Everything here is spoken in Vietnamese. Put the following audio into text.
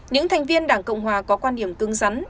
những thành viên đảng cộng hòa có quan điểm cưng rắn